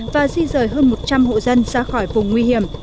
và di rời hơn một trăm linh hộ dân ra khỏi vùng nguy hiểm